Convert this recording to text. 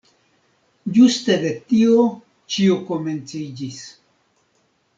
Ĝuste de tio ĉio komenciĝis.